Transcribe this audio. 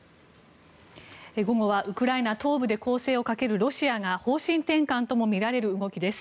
午後はウクライナ東部で攻勢をかけるロシアが方針転換ともみられる動きです。